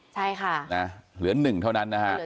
ใช่ค่ะเหลือหนึ่งเท่านั้นส่วนที่อื่นนี่